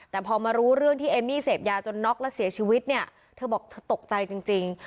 แต่พอมารู้เรื่องที่เอมมี่เสพยาจนน็อกแล้วเสียชีวิตเนี่ยเธอบอกเธอตกใจจริง